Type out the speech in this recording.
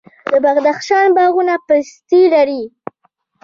د بدخشان باغونه پستې لري.